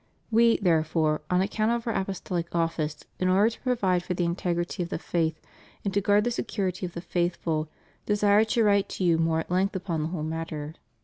We, therefore, on account of Our apostolic office, in order to provide for the integrity of the faith, and to guard the security of the faithful, desire to write to you more at length upon the whole matter.